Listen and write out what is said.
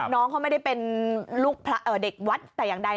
น้องเขาไม่ได้เป็นลูกเด็กวัดแต่อย่างใด